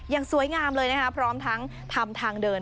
ยังสวยงามเลยพร้อมทั้งทำทางเดิน